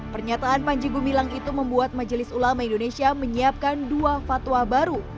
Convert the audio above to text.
pernyataan panji gumilang itu membuat majelis ulama indonesia menyiapkan dua fatwa baru